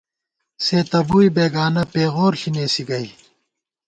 سے تہ بُوئی بېگانہ پېغور ݪی نېسِی گئ